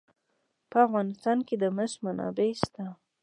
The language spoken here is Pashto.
په افغانستان کې د مس منابع شته.